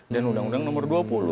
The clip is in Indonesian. dan undang undang nomor dua puluh